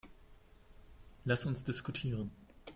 Lass uns diskutieren.